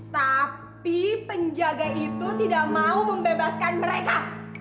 tapi penjaga itu tidak mau membebaskan mereka